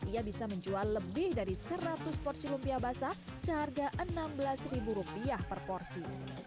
ia bisa menjual lebih dari seratus porsi lumpia basah seharga rp enam belas per porsi